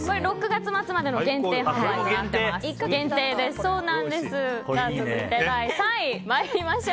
６月末までの限定発売になっています。